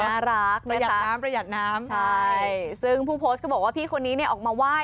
น่ารักนะคะใช่ซึ่งผู้โพสต์ก็บอกว่าพี่คนนี้ออกมาว่าย